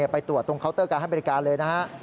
ไปตรวจตรงเคาน์เตอร์การให้บริการเลยนะฮะ